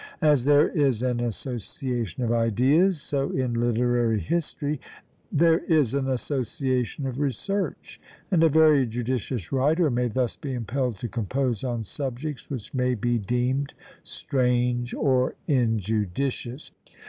As there is an association of ideas, so in literary history there is an association of research; and a very judicious writer may thus be impelled to compose on subjects which may be deemed strange or injudicious.